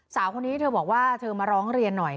สาวคนนี้เธอบอกว่าเธอมาร้องเรียนหน่อย